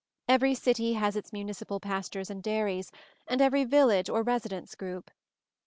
Every city has its municipal pastures and dairies, and every village or residence group.